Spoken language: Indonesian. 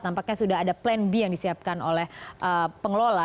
tampaknya sudah ada plan b yang disiapkan oleh pengelola